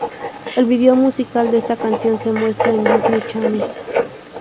El video musical de esta canción se muestra en Disney Channel.